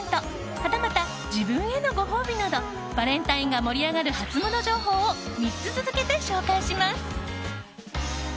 はたまた、自分へのご褒美などバレンタインが盛り上がるハツモノ情報を３つ続けて紹介します！